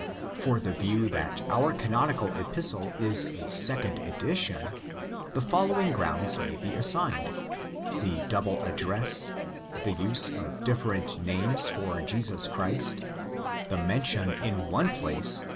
For the view that our canonical Epistle is a second edition, the following grounds may be assigned : The double address; the use of different names for Jesus Christ; the mention in one place (i.